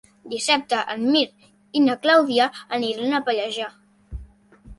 Dissabte en Mirt i na Clàudia aniran a Pallejà.